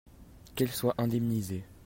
qu'elle soit indemnisée.